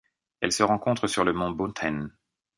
Elle se rencontre sur le mont Bonthain.